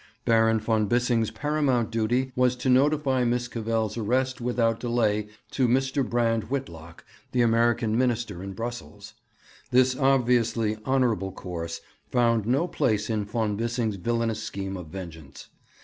Baron von Bissing's paramount duty was to notify Miss Cavell's arrest without delay to Mr. Brand Whitlock, the American Minister in Brussels. This obviously honourable course found no place in von Bissing's villanous scheme of vengeance.